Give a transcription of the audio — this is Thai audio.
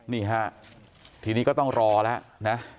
นะครับที่นี่ก็ต้องรอแล้วนะ